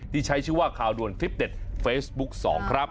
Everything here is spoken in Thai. ใช้ชื่อว่าข่าวด่วนคลิปเด็ดเฟซบุ๊ค๒ครับ